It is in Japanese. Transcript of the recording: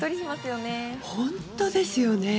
本当ですよね。